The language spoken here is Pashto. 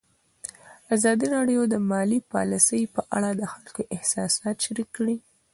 ازادي راډیو د مالي پالیسي په اړه د خلکو احساسات شریک کړي.